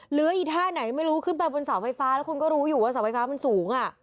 อีท่าไหนไม่รู้ขึ้นไปบนเสาไฟฟ้าแล้วคุณก็รู้อยู่ว่าเสาไฟฟ้ามันสูง